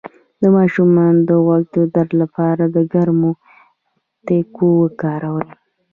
د ماشوم د غوږ د درد لپاره د ګرمو تکو وکاروئ